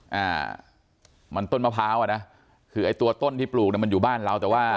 อ่ามันต้นมะพร้าวอ่ะนะคือไอ้ตัวต้นที่ปลูกเนี้ยมันอยู่บ้านเราแต่ว่า